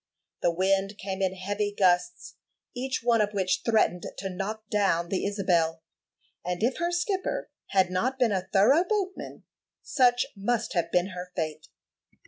The wind came in heavy gusts, each one of which threatened to "knock down" the Isabel; and if her skipper had not been a thorough boatman, such must have been her fate.